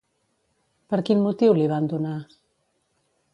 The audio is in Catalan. Per quin motiu li van donar?